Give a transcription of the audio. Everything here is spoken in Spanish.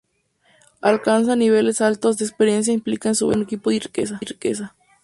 Alcanzar niveles altos de experiencia implica a su vez mejorar en equipo y riqueza.